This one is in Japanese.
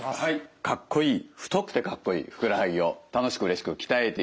かっこいい太くてかっこいいふくらはぎを楽しくうれしく鍛えていきます。